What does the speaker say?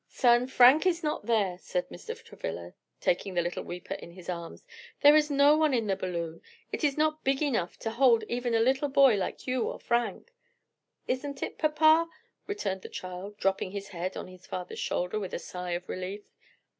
"Son, Frank is not there," said Mr. Travilla; taking the little weeper in his arms. "There is no one in the balloon; it is not big enough to hold even a little boy like you or Frank." "Isn't it, papa?" returned the child, dropping his head on his father's shoulder with a sigh of relief.